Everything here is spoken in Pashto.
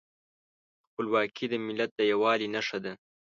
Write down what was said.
خپلواکي د ملت د یووالي نښه ده.